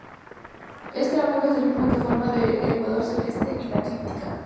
Este ángulo es el mismo que forman el ecuador celeste y la eclíptica.